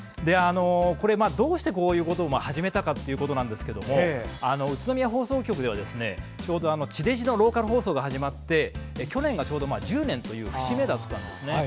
どうしてこういうことを始めたかですが宇都宮放送局ではちょうど地デジのローカル放送が始まって去年がちょうど１０年という節目だったんです。